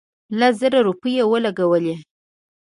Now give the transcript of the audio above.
لس زره روپۍ ولګولې.